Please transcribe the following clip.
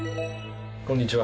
こんにちは。